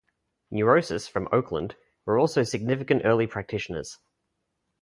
Neurosis, from Oakland, were also significant early practitioners.